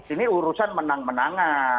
ini urusan menang menangan